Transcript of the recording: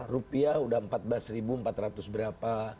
rupiah sudah empat belas empat ratus berapa